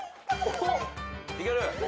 いける？